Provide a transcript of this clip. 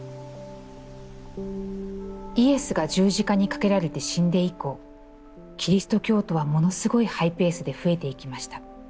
「イエスが十字架にかけられて死んで以降、キリスト教徒はものすごいハイペースで増えていきました。